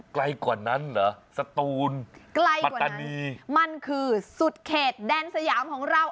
ใกล้กว่านั้นเหรอสตูนบัตนีมันคือสุดเขตแดนสยามของเรา